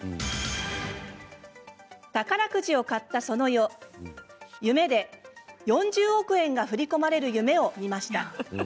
宝くじを買った、その夜夢で４０億円が振り込まれる夢をみました。